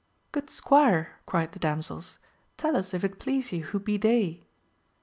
Good squire, cried the damsels, tell us if it please you who be they ?